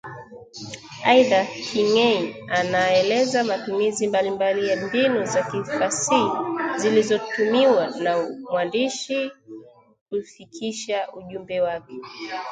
Aidha, King’ei anaeleza matumizi mbalimbali ya mbinu za kifasihi zilizotumiwa na mwandishi kufikisha ujumbe wake